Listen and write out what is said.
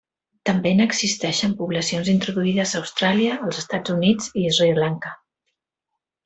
També n'existeixen poblacions introduïdes a Austràlia, els Estats Units i Sri Lanka.